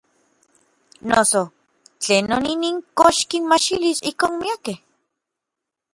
Noso ¿tlenon inin kox kinmajxilis ijkon miakej?